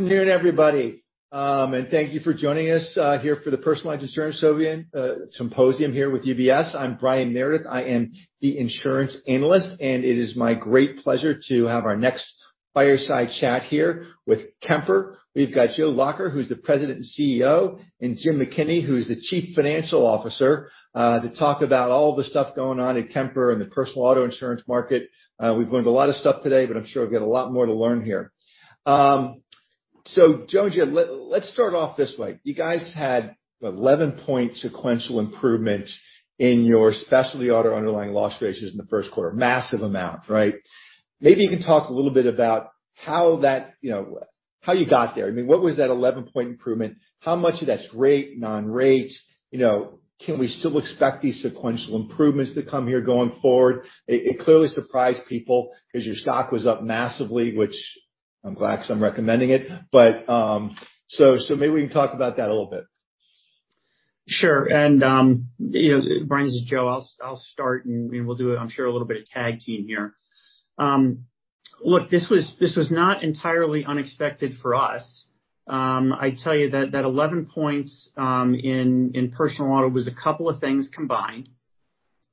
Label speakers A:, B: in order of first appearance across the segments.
A: Good afternoon, everybody, thank you for joining us here for the Personal Lines Insurance Symposium here with UBS. I'm Brian Meredith. I am the Insurance Analyst, it is my great pleasure to have our next fireside chat here with Kemper. We've got Joe Lacher, who's the President and CEO, Jim McKinney, who's the Chief Financial Officer, to talk about all the stuff going on at Kemper in the personal auto insurance market. We've learned a lot of stuff today, I'm sure we've got a lot more to learn here. Joe and Jim, let's start off this way. You guys had 11-point sequential improvement in your specialty auto underlying loss ratios in the first quarter. Massive amount. Maybe you can talk a little bit about how you got there. What was that 11-point improvement? How much of that's rate, non-rate? Can we still expect these sequential improvements to come here going forward? It clearly surprised people because your stock was up massively, which I'm glad because I'm recommending it. Maybe we can talk about that a little bit.
B: Sure. Brian, this is Joe, I'll start, we'll do, I'm sure, a little bit of tag team here. Look, this was not entirely unexpected for us. I tell you that that 11 points in personal auto was a couple of things combined.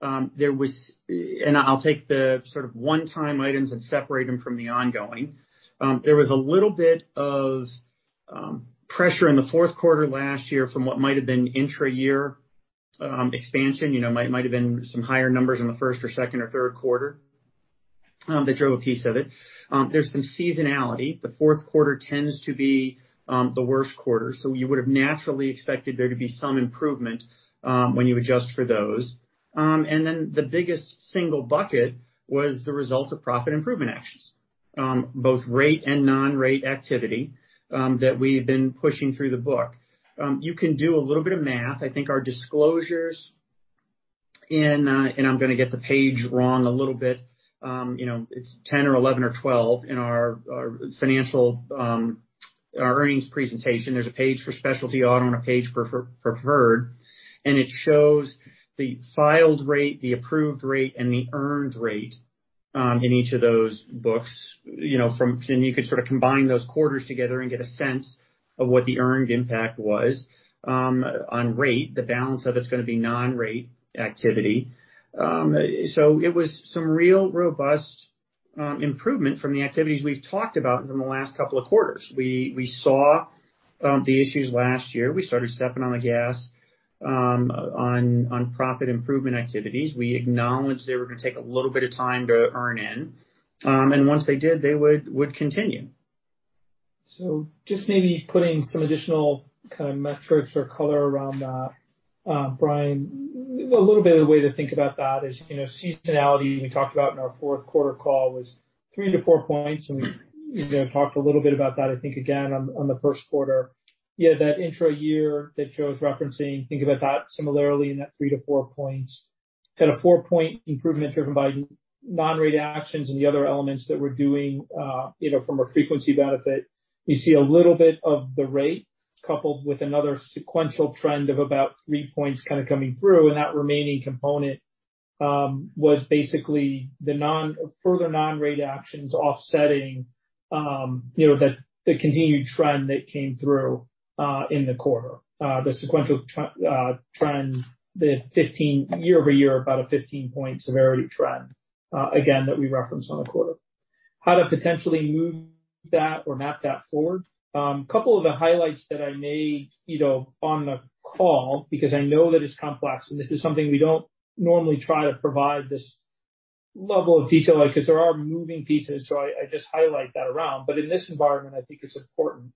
B: I'll take the sort of one-time items and separate them from the ongoing. There was a little bit of pressure in the fourth quarter last year from what might've been intra-year expansion. Might've been some higher numbers in the first or second or third quarter that drove a piece of it. There's some seasonality. The fourth quarter tends to be the worst quarter, you would've naturally expected there to be some improvement when you adjust for those. The biggest single bucket was the result of profit improvement actions, both rate and non-rate activity that we've been pushing through the book. You can do a little bit of math. I think our disclosures, I'm going to get the page wrong a little bit, it's 10 or 11 or 12 in our earnings presentation. There's a page for specialty auto and a page for preferred, it shows the filed rate, the approved rate, and the earned rate in each of those books. You could combine those quarters together and get a sense of what the earned impact was on rate. The balance of it's going to be non-rate activity. It was some real robust improvement from the activities we've talked about from the last couple of quarters. We saw the issues last year. We started stepping on the gas on profit improvement activities. We acknowledged they were going to take a little bit of time to earn in. Once they did, they would continue.
C: Just maybe putting some additional kind of metrics or color around that, Brian. A little bit of the way to think about that is seasonality, we talked about in our fourth quarter call, was three to four points, and we talked a little bit about that, I think, again, on the first quarter. That intra-year that Joe's referencing, think about that similarly in that three to four points. Had a four-point improvement driven by non-rate actions and the other elements that we're doing from a frequency benefit. You see a little bit of the rate coupled with another sequential trend of about three points coming through, and that remaining component was basically the further non-rate actions offsetting the continued trend that came through in the quarter. The sequential trend, year-over-year, about a 15-point severity trend, again, that we referenced on the quarter. How to potentially move that or map that forward? Couple of the highlights that I made on the call, because I know that it's complex, and this is something we don't normally try to provide this level of detail because there are moving pieces, I just highlight that around. In this environment, I think it's important.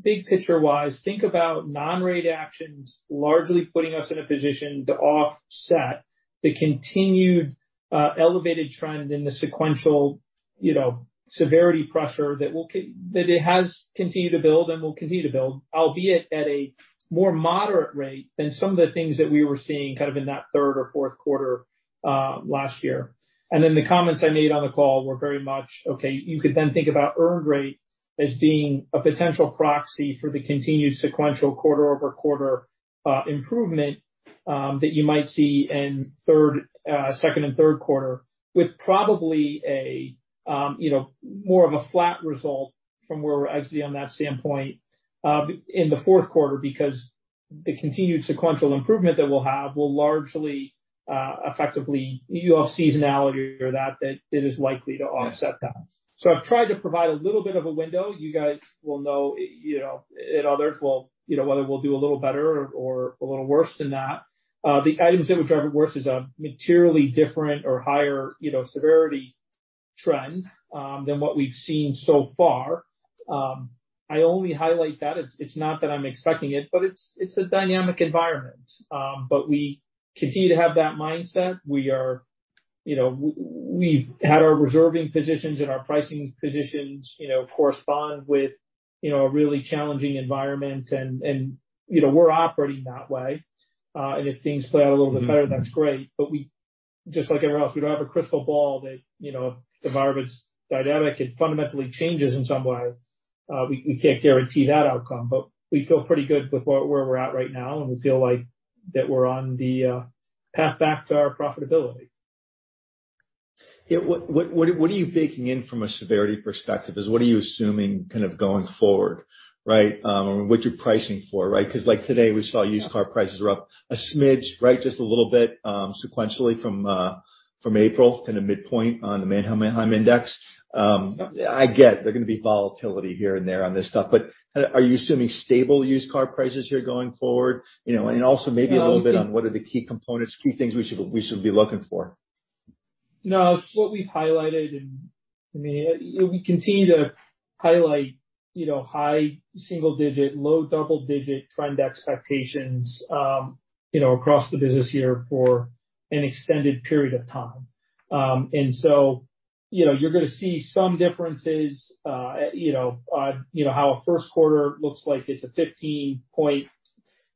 C: Big picture-wise, think about non-rate actions largely putting us in a position to offset the continued elevated trend in the sequential severity pressure that it has continued to build and will continue to build, albeit at a more moderate rate than some of the things that we were seeing in that third or fourth quarter last year. The comments I made on the call were very much, okay, you could then think about earned rate as being a potential proxy for the continued sequential quarter-over-quarter improvement that you might see in second and third quarter, with probably more of a flat result from where I see on that standpoint in the fourth quarter because the continued sequential improvement that we'll have will largely effectively, you have seasonality or that is likely to offset that. I've tried to provide a little bit of a window. You guys will know, and others will, whether we'll do a little better or a little worse than that. The items that would drive it worse is a materially different or higher severity trend than what we've seen so far. I only highlight that. It's not that I'm expecting it, but it's a dynamic environment. We continue to have that mindset. We've had our reserving positions and our pricing positions correspond with a really challenging environment, and we're operating that way. If things play out a little bit better, that's great. Just like everyone else, we don't have a crystal ball that the environment's dynamic. It fundamentally changes in some way. We can't guarantee that outcome, but we feel pretty good with where we're at right now, and we feel like that we're on the path back to our profitability.
A: Yeah. What are you baking in from a severity perspective? What are you assuming kind of going forward? Right. Or what you're pricing for, right? Because, like today, we saw used car prices are up a smidge, right? Just a little bit, sequentially from April to the midpoint on the Manheim Index.
C: Yep.
A: I get there are going to be volatility here and there on this stuff, are you assuming stable used car prices here going forward? Also maybe a little bit on what are the key components, key things we should be looking for.
C: No, what we've highlighted, we continue to highlight high single-digit, low double-digit trend expectations across the business here for an extended period of time. You're going to see some differences on how a first quarter looks like it's a 15-point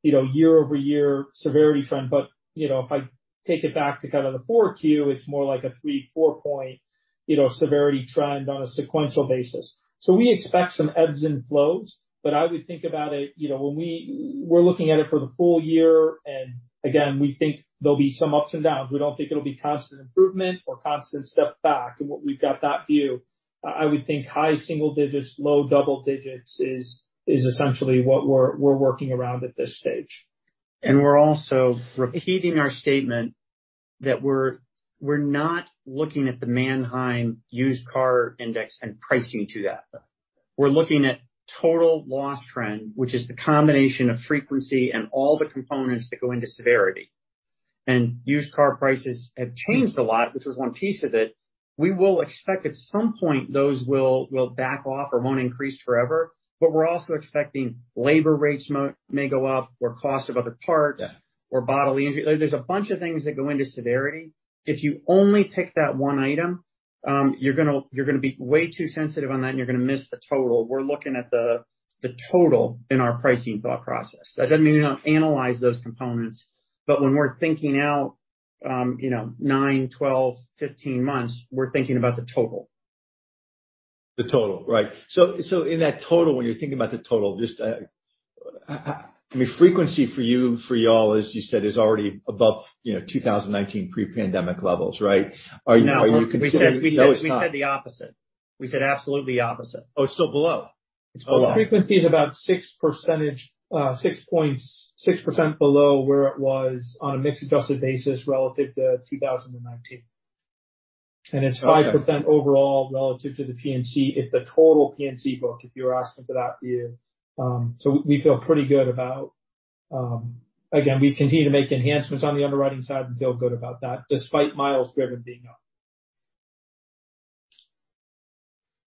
C: year-over-year severity trend. If I take it back to kind of the 4Q, it's more like a 3, 4-point severity trend on a sequential basis. We expect some ebbs and flows, I would think about it, when we're looking at it for the full year, and again, we think there'll be some ups and downs. We don't think it'll be constant improvement or constant step back. What we've got that view, I would think high single-digits, low double-digits is essentially what we're working around at this stage.
B: We're also repeating our statement that we're not looking at the Manheim Used Car Index and pricing to that. We're looking at total loss trend, which is the combination of frequency and all the components that go into severity. Used car prices have changed a lot, which is one piece of it. We will expect at some point those will back off or won't increase forever. We're also expecting labor rates may go up or cost of other parts.
A: Yeah
B: or bodily injury. There's a bunch of things that go into severity. If you only pick that one item, you're going to be way too sensitive on that, and you're going to miss the total. We're looking at the total in our pricing thought process. That doesn't mean we don't analyze those components, but when we're thinking out nine, 12, 15 months, we're thinking about the total.
A: The total. Right. In that total, when you're thinking about the total, just, I mean, frequency for you, for y'all, as you said, is already above 2019 pre-pandemic levels, right? Are you considering-
B: No. We said the opposite. We said absolutely opposite.
A: Oh, it's still below.
B: It's below.
C: Frequency is about 6% below where it was on a mix-adjusted basis relative to 2019.
A: Okay.
C: It's 5% overall relative to the P&C. It's a total P&C book if you were asking for that view. We feel pretty good about, again, we continue to make enhancements on the underwriting side and feel good about that despite miles driven being up.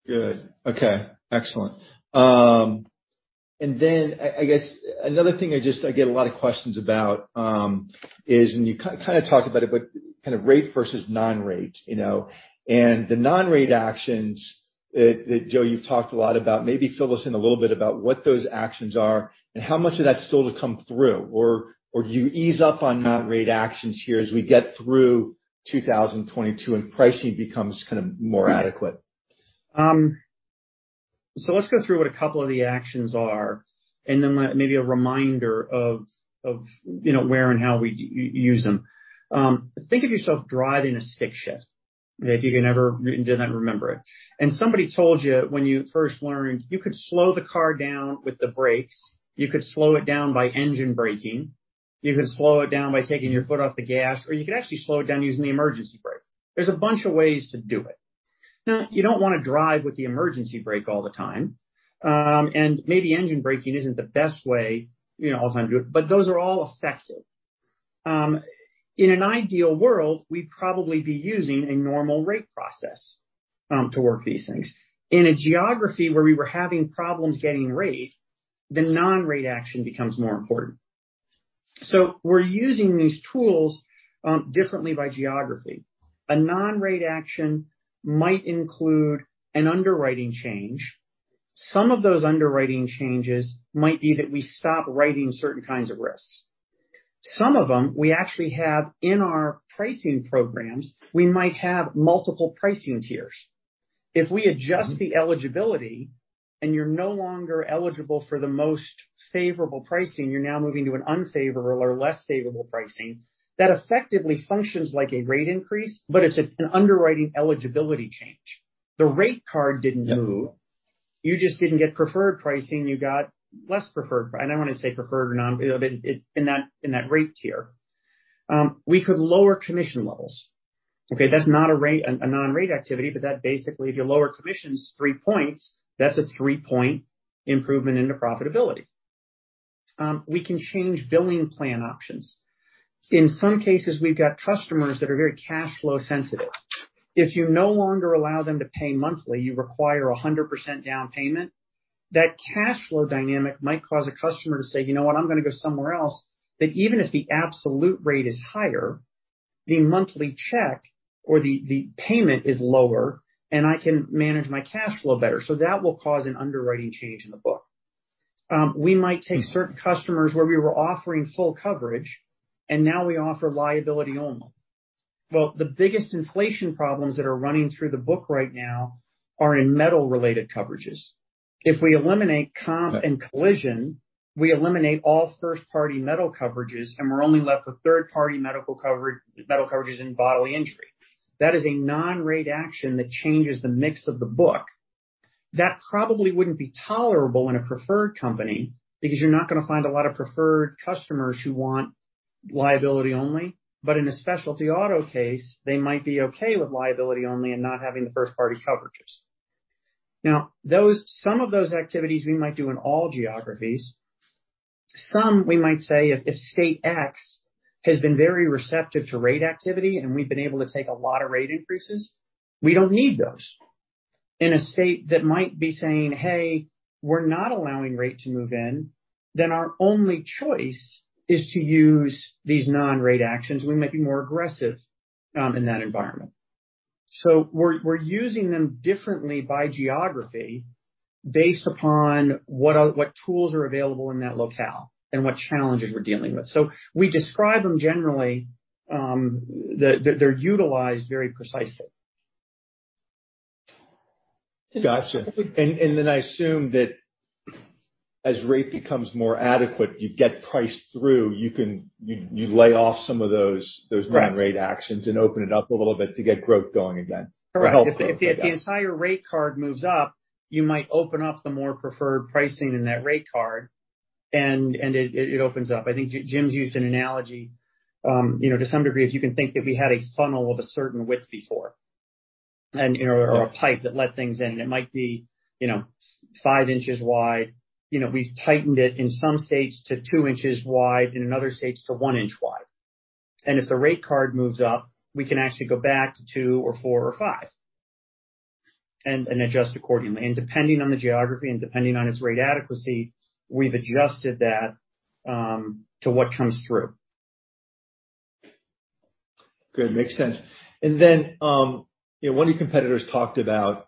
A: Good. Okay, excellent. Then I guess another thing I get a lot of questions about is, and you kind of talked about it, but kind of rate versus non-rate. The non-rate actions that, Joe, you've talked a lot about. Maybe fill us in a little bit about what those actions are and how much of that's still to come through. Do you ease up on non-rate actions here as we get through 2022 and pricing becomes kind of more adequate?
B: Let's go through what a couple of the actions are and then maybe a reminder of where and how we use them. Think of yourself driving a stick shift, if you can ever, do not remember it. Somebody told you when you first learned, you could slow the car down with the brakes, you could slow it down by engine braking, you could slow it down by taking your foot off the gas, or you could actually slow it down using the emergency brake. There's a bunch of ways to do it. You don't want to drive with the emergency brake all the time. Maybe engine braking isn't the best way all the time to do it, but those are all effective. In an ideal world, we'd probably be using a normal rate process to work these things. In a geography where we were having problems getting rate, the non-rate action becomes more important. We're using these tools differently by geography. A non-rate action might include an underwriting change. Some of those underwriting changes might be that we stop writing certain kinds of risks. Some of them we actually have in our pricing programs. We might have multiple pricing tiers. If we adjust the eligibility and you're no longer eligible for the most favorable pricing, you're now moving to an unfavorable or less favorable pricing. That effectively functions like a rate increase, but it's an underwriting eligibility change. The rate card didn't move. You just didn't get preferred pricing, you got less preferred. I don't want to say preferred or not in that rate tier. We could lower commission levels. Okay? That's not a non-rate activity, but that basically, if you lower commissions three points, that's a three-point improvement into profitability. We can change billing plan options. In some cases, we've got customers that are very cash flow sensitive. If you no longer allow them to pay monthly, you require 100% down payment. That cash flow dynamic might cause a customer to say, "You know what? I'm going to go somewhere else." That even if the absolute rate is higher, the monthly check or the payment is lower, and I can manage my cash flow better. That will cause an underwriting change in the book. We might take certain customers where we were offering full coverage, and now we offer liability only. The biggest inflation problems that are running through the book right now are in metal-related coverages. If we eliminate Comprehensive and Collision, we eliminate all first-party medical coverages, and we're only left with third-party medical coverages and bodily injury. That is a non-rate action that changes the mix of the book. That probably wouldn't be tolerable in a preferred company because you're not going to find a lot of preferred customers who want liability only, but in a specialty auto case, they might be okay with liability only and not having the first-party coverages. Some of those activities we might do in all geographies, some we might say if State X has been very receptive to rate activity and we've been able to take a lot of rate increases, we don't need those. In a state that might be saying, "Hey, we're not allowing rate to move in," then our only choice is to use these non-rate actions. We might be more aggressive in that environment. We're using them differently by geography based upon what tools are available in that locale and what challenges we're dealing with. We describe them generally, they're utilized very precisely.
A: Got you. I assume that as rate becomes more adequate, you get priced through, you lay off some of those
B: Right
A: non-rate actions open it up a little bit to get growth going again.
B: Correct.
A: Help it, I guess.
B: If the entire rate card moves up, you might open up the more preferred pricing in that rate card, and it opens up. I think Jim's used an analogy, to some degree, if you can think that we had a funnel of a certain width before or a pipe that let things in, it might be five inches wide. We've tightened it in some states to two inches wide, in other states to one inch wide. If the rate card moves up, we can actually go back to two or four or five and adjust accordingly. Depending on the geography and depending on its rate adequacy, we've adjusted that to what comes through.
A: Good. Makes sense. One of your competitors talked about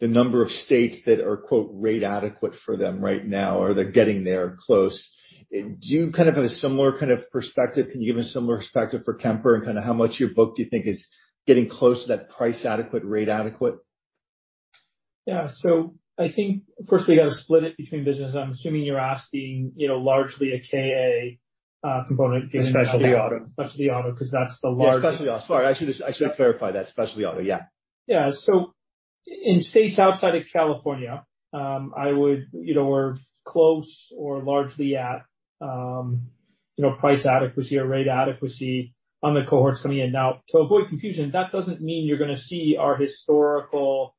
A: the number of states that are "rate adequate" for them right now, or they're getting there close. Do you have a similar perspective? Can you give a similar perspective for Kemper and how much your book do you think is getting close to that price adequacy, rate adequacy?
C: Yeah. I think, first, we got to split it between business. I'm assuming you're asking largely a KA component given-
A: Specialty auto
C: Specialty Auto, because that's the largest-
A: Yeah, Specialty Auto. Sorry, I should clarify that. Specialty Auto, yeah.
C: In states outside of California, we're close or largely at price adequacy or rate adequacy on the cohorts coming in. To avoid confusion, that doesn't mean you're going to see our historical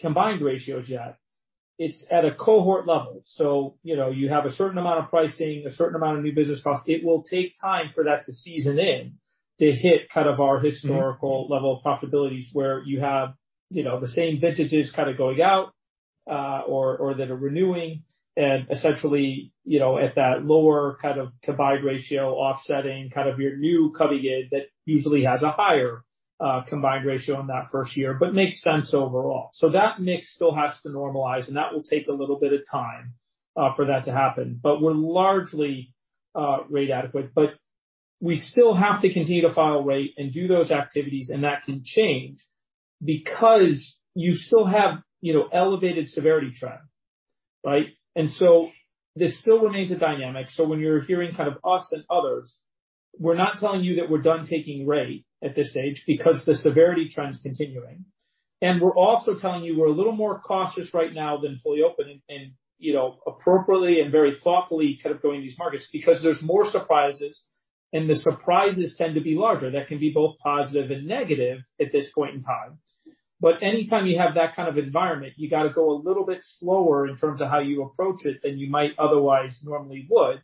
C: combined ratios yet. It's at a cohort level. You have a certain amount of pricing, a certain amount of new business costs. It will take time for that to season in to hit our historical level of profitability, where you have the same vintages going out or that are renewing, and essentially, at that lower combined ratio offsetting your new coming in that usually has a higher combined ratio in that first year, but makes sense overall. That mix still has to normalize, and that will take a little bit of time for that to happen. We're largely rate adequate, we still have to continue to file rate and do those activities, and that can change, because you still have elevated severity trend, right? This still remains a dynamic. When you're hearing us and others, we're not telling you that we're done taking rate at this stage because the severity trend's continuing. We're also telling you we're a little more cautious right now than fully open and appropriately and very thoughtfully going to these markets because there's more surprises, and the surprises tend to be larger. That can be both positive and negative at this point in time. Anytime you have that kind of environment, you got to go a little bit slower in terms of how you approach it than you might otherwise normally would,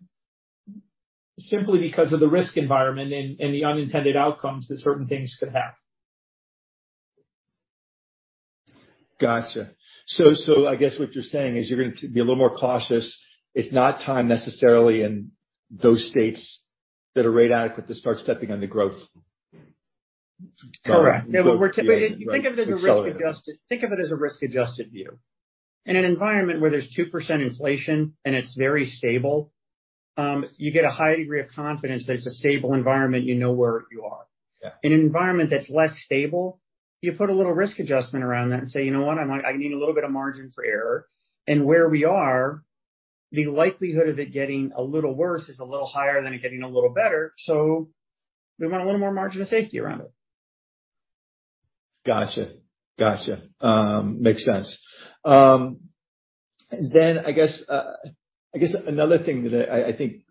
C: simply because of the risk environment and the unintended outcomes that certain things could have.
A: Got you. I guess what you're saying is you're going to be a little more cautious. It's not time necessarily in those states that are rate adequate to start stepping on the growth.
B: Correct. Think of it as a risk-adjusted view. In an environment where there's 2% inflation and it's very stable, you get a high degree of confidence that it's a stable environment, you know where you are.
A: Yeah.
B: In an environment that's less stable, you put a little risk adjustment around that and say, "You know what? I need a little bit of margin for error." Where we are, the likelihood of it getting a little worse is a little higher than it getting a little better, so we want a little more margin of safety around it.
A: Got you. Makes sense. I guess another thing that I think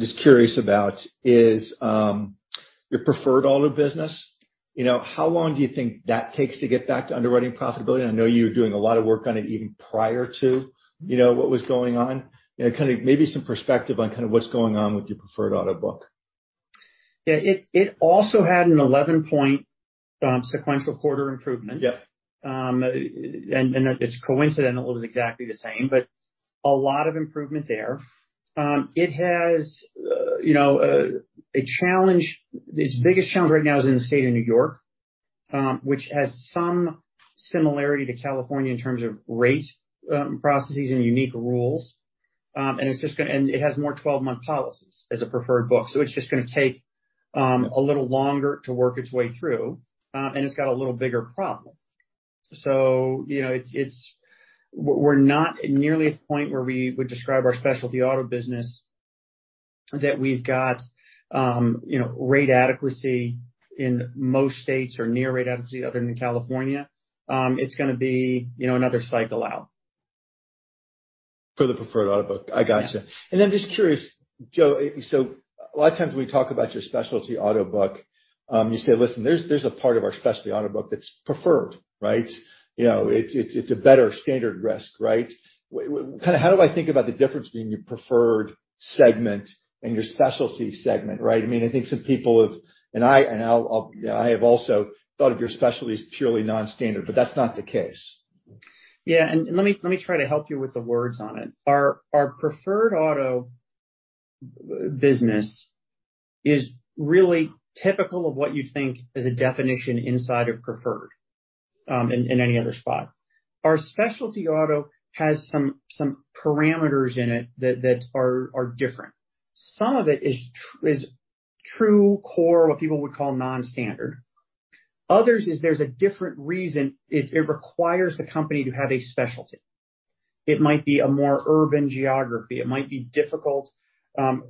A: just curious about is your preferred auto business. How long do you think that takes to get back to underwriting profitability? I know you were doing a lot of work on it even prior to what was going on. Maybe some perspective on what's going on with your preferred auto book.
B: Yeah. It also had an 11-point sequential quarter improvement.
A: Yeah.
B: It's coincidental, it was exactly the same, but a lot of improvement there. Its biggest challenge right now is in the state of N.Y., which has some similarity to California in terms of rate processes and unique rules. It has more 12-month policies as a preferred book. It's just going to take a little longer to work its way through, and it's got a little bigger problem. We're not nearly at the point where we would describe our specialty auto business that we've got rate adequacy in most states, or near rate adequacy other than California. It's going to be another cycle out.
A: For the preferred auto book. I got you.
B: Yeah.
A: Just curious, Joe, a lot of times when we talk about your specialty auto book, you say, "Listen, there's a part of our specialty auto book that's preferred." It's a better standard risk, right? How do I think about the difference between your preferred segment and your specialty segment, right? I think some people have, and I have also thought of your specialty as purely non-standard, but that's not the case.
B: Yeah. Let me try to help you with the words on it. Our preferred auto business is really typical of what you'd think as a definition inside of preferred, in any other spot. Our specialty auto has some parameters in it that are different. Some of it is true core, what people would call non-standard. Others is there's a different reason it requires the company to have a specialty. It might be a more urban geography. It might be difficult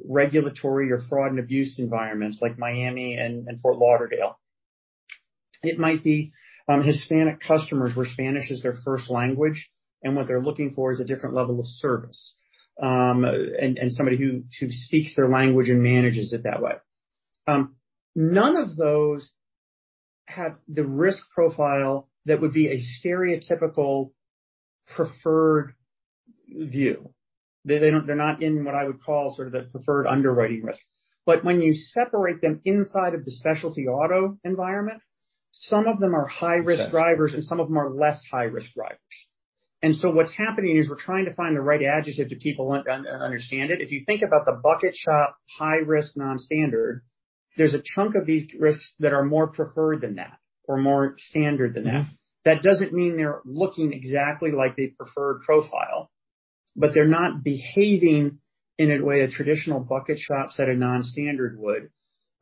B: regulatory or fraud and abuse environments like Miami and Fort Lauderdale. It might be Hispanic customers where Spanish is their first language, and what they're looking for is a different level of service, and somebody who speaks their language and manages it that way. None of those have the risk profile that would be a stereotypical preferred view. They're not in what I would call sort of the preferred underwriting risk. When you separate them inside of the specialty auto environment, some of them are high-risk drivers and some of them are less high-risk drivers. What's happening is we're trying to find the right adjective to people understand it. If you think about the bucket shop, high risk non-standard, there's a chunk of these risks that are more preferred than that or more standard than that. That doesn't mean they're looking exactly like the preferred profile, but they're not behaving in a way a traditional bucket shop set of non-standard would.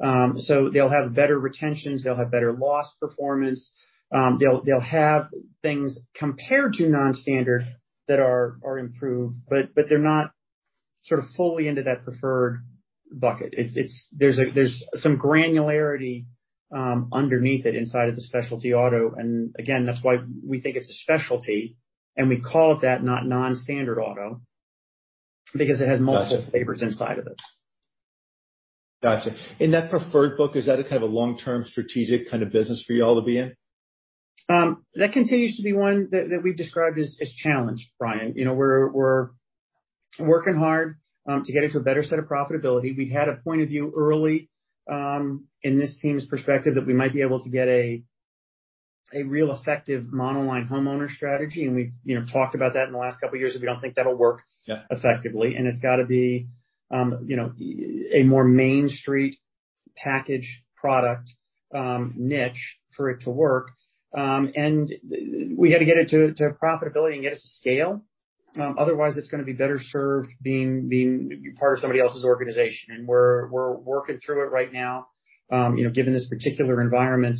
B: They'll have better retentions, they'll have better loss performance. They'll have things compared to non-standard that are improved, but they're not sort of fully into that preferred bucket. There's some granularity underneath it inside of the specialty auto, again, that's why we think it's a specialty, and we call it that, not non-standard auto because it has multiple.
A: Got you
B: flavors inside of it.
A: Got you. In that preferred book, is that a kind of a long-term strategic kind of business for you all to be in?
B: That continues to be one that we've described as challenged, Brian. We're working hard to get into a better set of profitability. We'd had a point of view early, in this team's perspective, that we might be able to get a real effective monoline homeowner strategy, and we've talked about that in the last couple of years, but we don't think that'll work.
A: Yeah
B: effectively. It's got to be a more main street package product niche for it to work. We got to get it to profitability and get it to scale. Otherwise, it's going to be better served being part of somebody else's organization. We're working through it right now. Given this particular environment,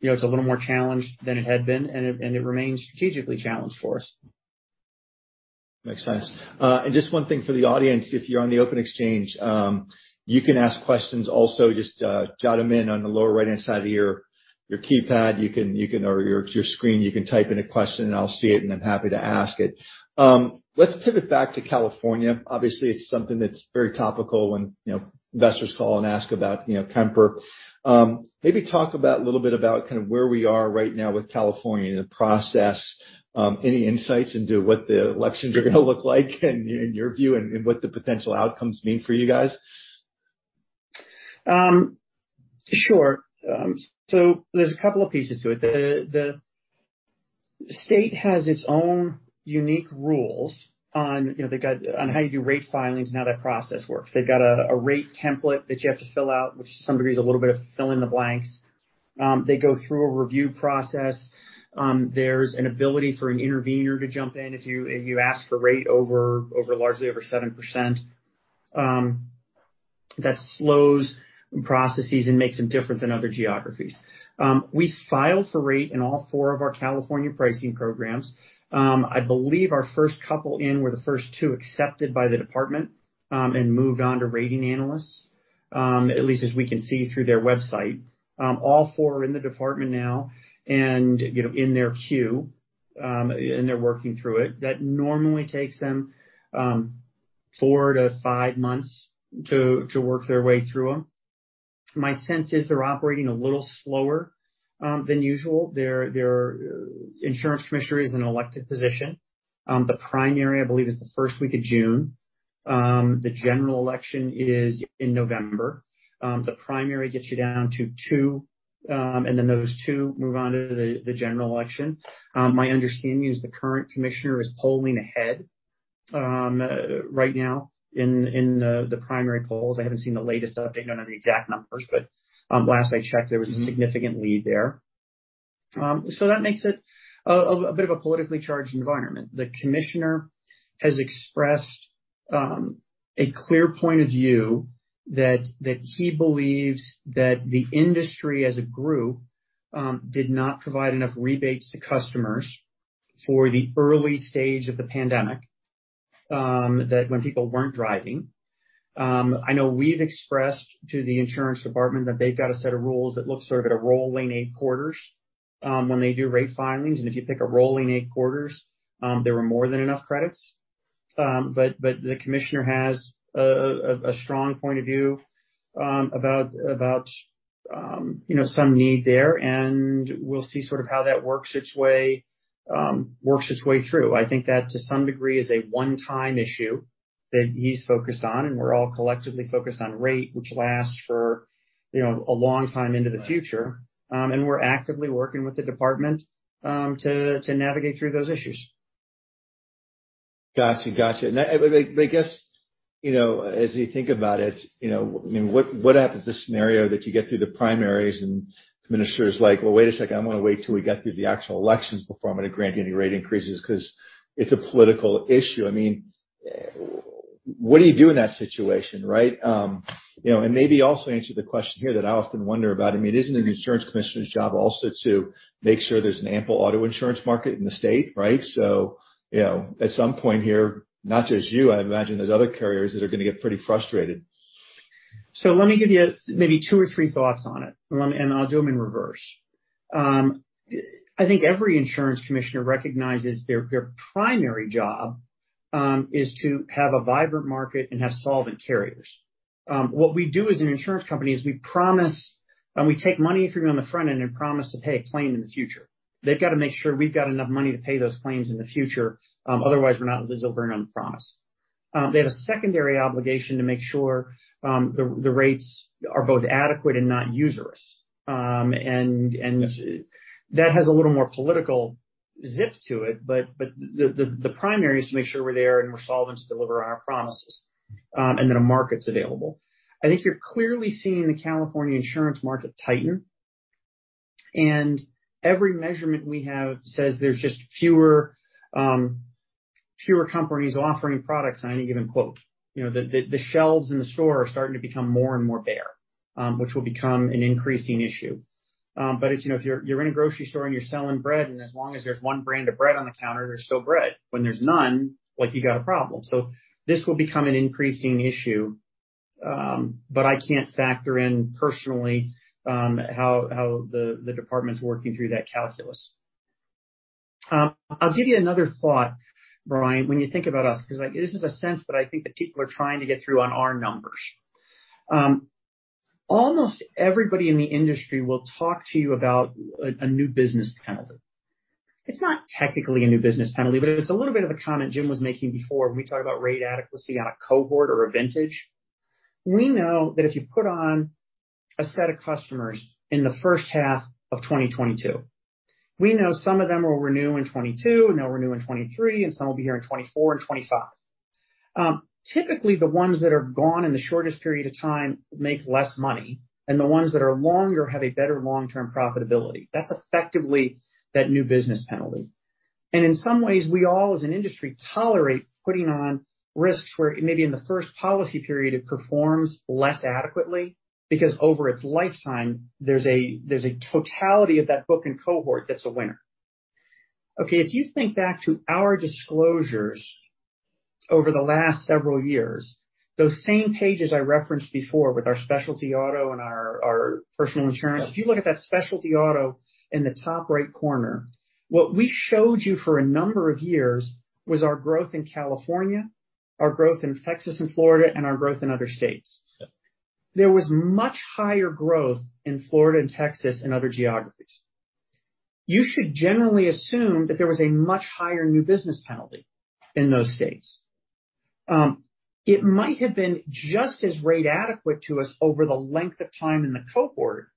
B: it's a little more challenged than it had been, and it remains strategically challenged for us.
A: Makes sense. Just one thing for the audience, if you're on the OpenExchange, you can ask questions also just jot them in on the lower right-hand side of your keypad or your screen. You can type in a question, and I'll see it, and I'm happy to ask it. Let's pivot back to California. Obviously, it's something that's very topical when investors call and ask about Kemper. Maybe talk a little bit about kind of where we are right now with California and the process. Any insights into what the elections are going to look like in your view and what the potential outcomes mean for you guys?
B: Sure. There's a couple of pieces to it. The state has its own unique rules on how you do rate filings and how that process works. They've got a rate template that you have to fill out, which to some degree is a little bit of fill in the blanks. They go through a review process. There's an ability for an intervener to jump in if you ask for rate largely over 7%. That slows processes and makes them different than other geographies. We filed for rate in all four of our California pricing programs. I believe our first couple in were the first two accepted by the department, and moved on to rating analysts, at least as we can see through their website. All four are in the department now and in their queue, and they're working through it. That normally takes them four to five months to work their way through them. My sense is they're operating a little slower than usual. Their insurance commissioner is an elected position. The primary, I believe, is the first week of June. The general election is in November. The primary gets you down to two, and then those two move on to the general election. My understanding is the current commissioner is polling ahead right now in the primary polls. I haven't seen the latest update. Don't know the exact numbers, but last I checked, there was a significant lead there. That makes it a bit of a politically charged environment. The commissioner has expressed a clear point of view that he believes that the industry as a group did not provide enough rebates to customers for the early stage of the pandemic, that when people weren't driving. I know we've expressed to the insurance department that they've got a set of rules that look sort of at a rolling eight quarters when they do rate filings. If you pick a rolling eight quarters, there were more than enough credits. The commissioner has a strong point of view about some need there, and we'll see sort of how that works its way through. I think that, to some degree, is a one-time issue that he's focused on, and we're all collectively focused on rate, which lasts for a long time into the future. We're actively working with the department to navigate through those issues.
A: Got you. I guess, as you think about it, what happens, the scenario that you get through the primaries and the commissioner is like, "Well, wait a second. I want to wait till we get through the actual elections before I'm going to grant any rate increases," because it's a political issue. What do you do in that situation, right? Maybe also answer the question here that I often wonder about. Isn't the insurance commissioner's job also to make sure there's an ample auto insurance market in the state, right? At some point here, not just you, I imagine there's other carriers that are going to get pretty frustrated.
B: Let me give you maybe two or three thoughts on it, and I'll do them in reverse. I think every insurance commissioner recognizes their primary job is to have a vibrant market and have solvent carriers. What we do as an insurance company is we promise and we take money from you on the front end and promise to pay a claim in the future. They've got to make sure we've got enough money to pay those claims in the future. Otherwise, we're not able to deliver on the promise. They have a secondary obligation to make sure the rates are both adequate and not usurious. That has a little more political zip to it, but the primary is to make sure we're there and we're solvent to deliver on our promises, and that a market's available. I think you're clearly seeing the California insurance market tighten, every measurement we have says there's just fewer companies offering products on any given quote. The shelves in the store are starting to become more and more bare, which will become an increasing issue. If you're in a grocery store and you're selling bread, as long as there's one brand of bread on the counter, there's still bread. When there's none, you got a problem. This will become an increasing issue, but I can't factor in personally how the department's working through that calculus. I'll give you another thought, Brian, when you think about us, because this is a sense that I think that people are trying to get through on our numbers. Almost everybody in the industry will talk to you about a new business penalty. It's not technically a new business penalty, but it's a little bit of a comment Jim was making before when we talk about rate adequacy on a cohort or a vintage. We know that if you put on a set of customers in the first half of 2022, we know some of them will renew in 2022, and they'll renew in 2023, and some will be here in 2024 and 2025. Typically, the ones that are gone in the shortest period of time make less money, and the ones that are longer have a better long-term profitability. That's effectively that new business penalty. In some ways, we all as an industry tolerate putting on risks where maybe in the first policy period, it performs less adequately because over its lifetime, there's a totality of that book and cohort that's a winner. Okay, if you think back to our disclosures over the last several years, those same pages I referenced before with our specialty auto and our personal insurance. If you look at that specialty auto in the top right corner, what we showed you for a number of years was our growth in California, our growth in Texas and Florida, and our growth in other states.
A: Yeah.
B: There was much higher growth in Florida and Texas and other geographies. You should generally assume that there was a much higher new business penalty in those states. It might have been just as rate adequate to us over the length of time in the cohort,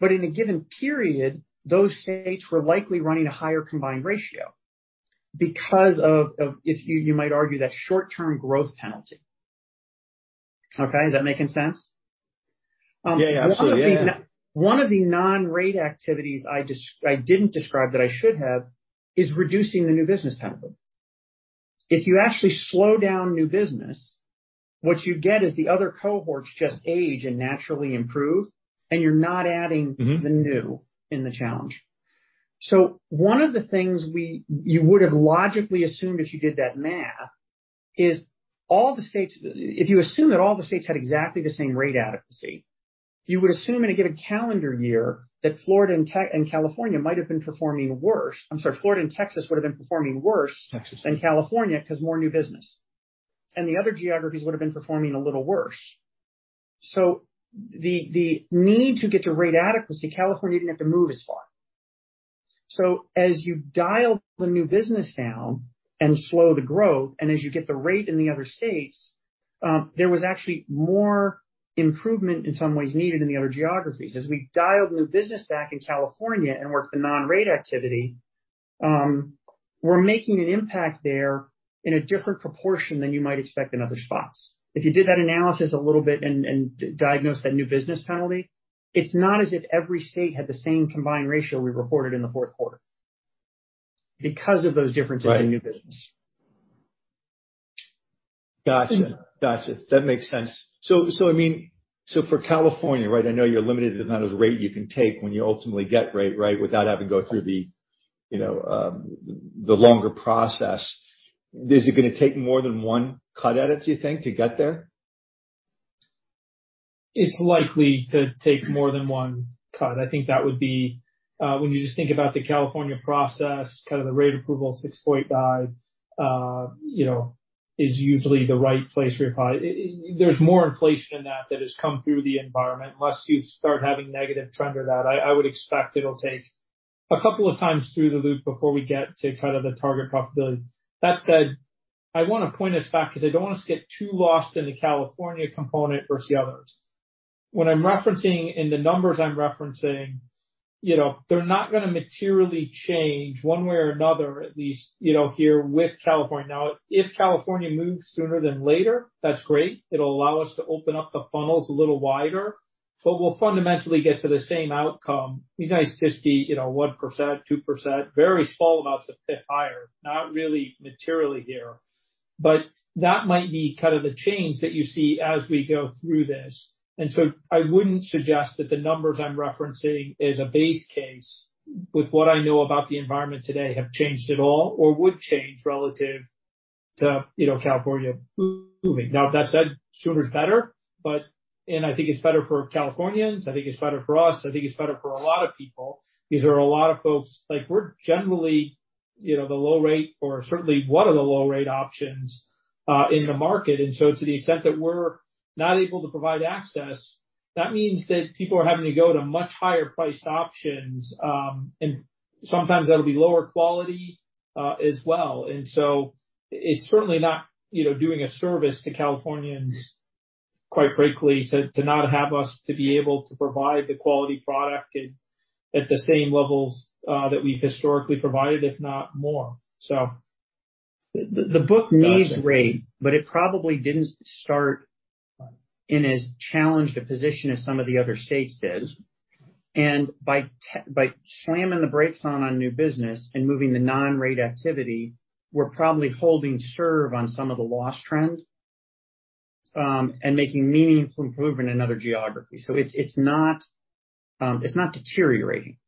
B: but in a given period, those states were likely running a higher combined ratio because of, you might argue, that short-term growth penalty. Okay? Is that making sense?
A: Yeah. Absolutely. Yeah.
B: One of the non-rate activities I didn't describe that I should have is reducing the new business penalty. If you actually slow down new business, what you get is the other cohorts just age and naturally improve, and you're not adding the new in the challenge. One of the things you would have logically assumed if you did that math is if you assume that all the states had exactly the same rate adequacy, you would assume in a given calendar year that Florida and California might have been performing worse. I'm sorry, Florida and Texas would have been performing worse than California because more new business. The other geographies would have been performing a little worse. The need to get to rate adequacy, California didn't have to move as far. As you dial the new business down and slow the growth, as you get the rate in the other states, there was actually more improvement in some ways needed in the other geographies. As we dialed new business back in California and worked the non-rate activity, we're making an impact there in a different proportion than you might expect in other spots. If you did that analysis a little bit and diagnosed that new business penalty, it's not as if every state had the same combined ratio we reported in the fourth quarter because of those differences
A: Right
B: in new business.
A: Got you. That makes sense. For California, I know you're limited to the amount of rate you can take when you ultimately get rate without having to go through the longer process. Is it going to take more than one cut at it, do you think, to get there?
C: It's likely to take more than one cut. I think that would be when you just think about the California process, kind of the rate approval, 6.5%, is usually the right place where you probably. There's more inflation in that has come through the environment. Unless you start having negative trend or that, I would expect it'll take a couple of times through the loop before we get to kind of the target profitability. I want to point us back because I don't want us to get too lost in the California component versus the others. What I'm referencing and the numbers I'm referencing, they're not going to materially change one way or another, at least here with California. If California moves sooner than later, that's great. It'll allow us to open up the funnels a little wider, but we'll fundamentally get to the same outcome. It would be nice to see 1%, 2%, very small amounts of pip higher, not really materially here. That might be kind of the change that you see as we go through this. I wouldn't suggest that the numbers I'm referencing as a base case, with what I know about the environment today, have changed at all or would change relative to California moving. That said, sooner is better, and I think it's better for Californians, I think it's better for us, I think it's better for a lot of people. These are a lot of folks. Like we're generally the low rate or certainly one of the low-rate options in the market. To the extent that we're not able to provide access, that means that people are having to go to much higher priced options, and sometimes that'll be lower quality as well. It's certainly not doing a service to Californians, quite frankly, to not have us to be able to provide the quality product at the same levels that we've historically provided, if not more.
B: The book needs rate, it probably didn't start in as challenged a position as some of the other states did. By slamming the brakes on new business and moving the non-rate activity, we're probably holding serve on some of the loss trend, and making meaningful improvement in other geographies. It's not deteriorating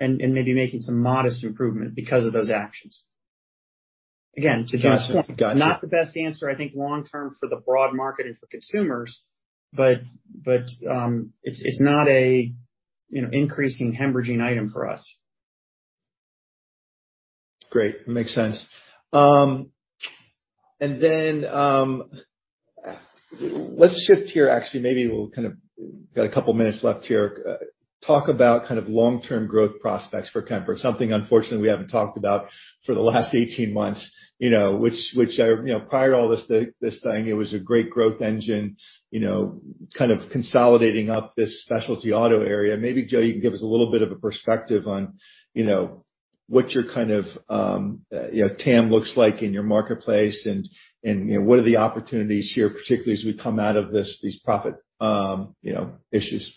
B: and maybe making some modest improvement because of those actions. Again, to Joe's point.
A: Got you
B: not the best answer, I think long term for the broad market and for consumers, but it's not an increasing hemorrhaging item for us.
A: Great. Makes sense. Let's shift here, actually. Maybe we'll kind of, got a couple minutes left here, talk about long-term growth prospects for Kemper. Something unfortunately, we haven't talked about for the last 18 months. Which prior to all this thing, it was a great growth engine, kind of consolidating up this specialty auto area. Maybe, Joe, you can give us a little bit of a perspective on what your kind of TAM looks like in your marketplace and what are the opportunities here, particularly as we come out of these profit issues.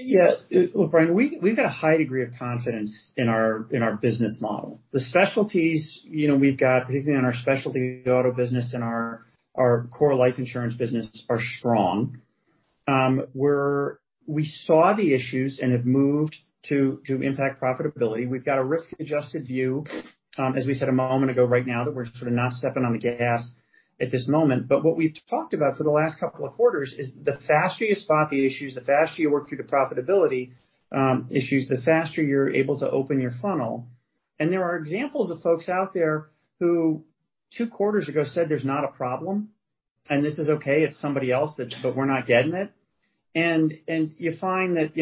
B: Yeah. Look, Brian, we've got a high degree of confidence in our business model. The specialties we've got, particularly on our specialty auto business and our core life insurance business, are strong. We saw the issues and have moved to impact profitability. We've got a risk-adjusted view, as we said a moment ago, right now, that we're sort of not stepping on the gas at this moment. What we've talked about for the last couple of quarters is the faster you spot the issues, the faster you work through the profitability issues, the faster you're able to open your funnel. There are examples of folks out there who two quarters ago said there's not a problem, and this is okay, it's somebody else, but we're not getting it. You find that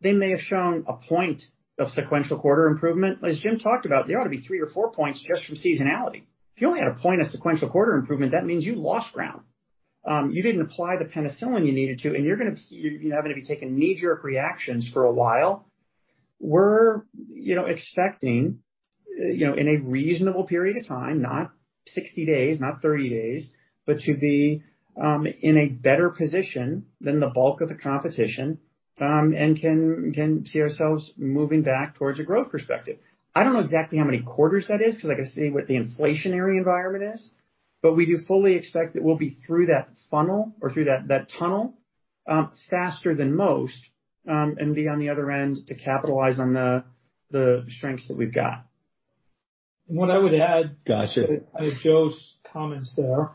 B: they may have shown a point of sequential quarter improvement. As Jim talked about, there ought to be three or four points just from seasonality. If you only had a point of sequential quarter improvement, that means you lost ground. You didn't apply the penicillin you needed to, and you're going to have to be taking knee-jerk reactions for a while. We're expecting in a reasonable period of time, not 60 days, not 30 days, but to be in a better position than the bulk of the competition, and can see ourselves moving back towards a growth perspective. I don't know exactly how many quarters that is because I got to see what the inflationary environment is. We do fully expect that we'll be through that funnel or through that tunnel faster than most, and be on the other end to capitalize on the strengths that we've got.
C: What I would add.
A: Got you.
C: To Joe's comments there.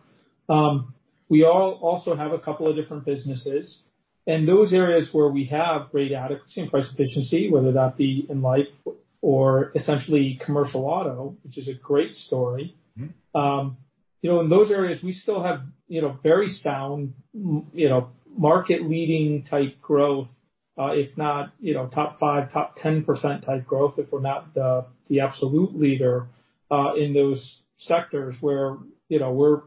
C: We also have a couple of different businesses, and those areas where we have rate adequacy and price efficiency, whether that be in life or essentially commercial auto, which is a great story. In those areas, we still have very sound market leading type growth. If not top 5, top 10% type growth, if we're not the absolute leader in those sectors where we're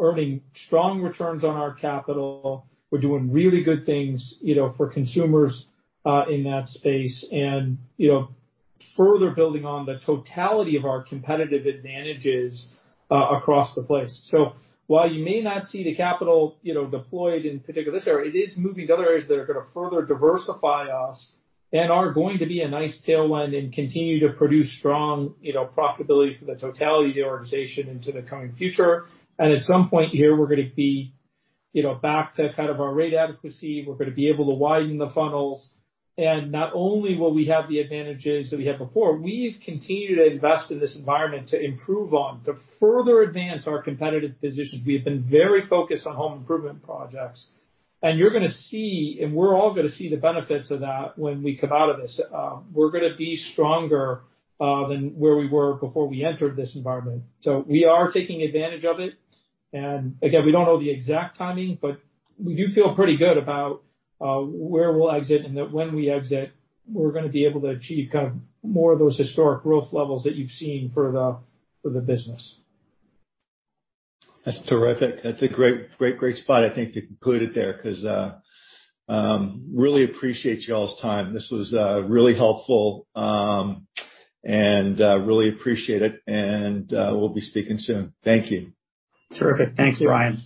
C: earning strong returns on our capital, we're doing really good things for consumers in that space and further building on the totality of our competitive advantages across the place. While you may not see the capital deployed in particular this area, it is moving to other areas that are going to further diversify us and are going to be a nice tailwind and continue to produce strong profitability for the totality of the organization into the coming future. At some point here, we're going to be back to kind of our rate adequacy. We're going to be able to widen the funnels. Not only will we have the advantages that we had before, we've continued to invest in this environment to improve on, to further advance our competitive positions. We have been very focused on home improvement projects, and you're going to see, and we're all going to see the benefits of that when we come out of this. We're going to be stronger than where we were before we entered this environment. We are taking advantage of it. Again, we don't know the exact timing, but we do feel pretty good about where we'll exit and that when we exit, we're going to be able to achieve kind of more of those historic growth levels that you've seen for the business.
A: That's terrific. That's a great spot, I think, to conclude it there because really appreciate y'all's time. This was really helpful, and really appreciate it, and we'll be speaking soon. Thank you.
C: Terrific. Thanks, Brian.